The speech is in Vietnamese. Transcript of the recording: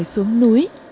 người xuống núi